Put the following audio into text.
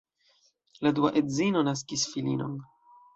La dua edzino naskis filinon.